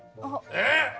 えっ！